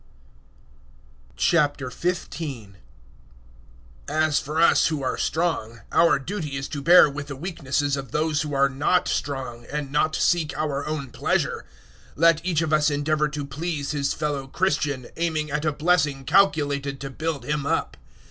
015:001 As for us who are strong, our duty is to bear with the weaknesses of those who are not strong, and not seek our own pleasure. 015:002 Let each of us endeavour to please his fellow Christian, aiming at a blessing calculated to build him up.